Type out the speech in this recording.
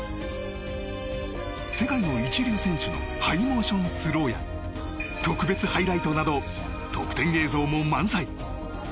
世界の一流選手のハイモーションスローや特別ハイライトなど特典映像も満載。